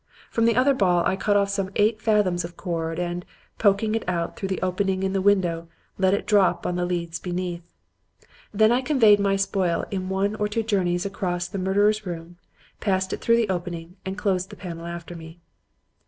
From the other ball I cut off some eight fathoms of cord, and, poking it out through the opening of the window, let it drop on the leads beneath. Then I conveyed my spoil in one or two journeys across the murderers' room, passed it through the opening, and closed the panel after me.